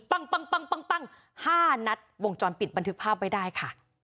ปังปังปังปัง๕นัดวงจรปิดบันทึกภาพให้ได้ค่ะ